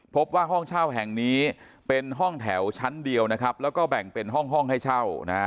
พบว่าห้องเช่าแห่งนี้เป็นห้องแถวชั้นเดียวแล้วก็แบ่งเป็นห้องให้เช่า